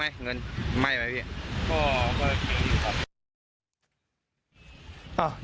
หล่างไปหมดเลยอ๋อส่วนตัวพี่